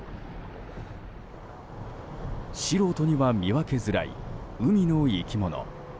素人には見分けづらい海の生き物。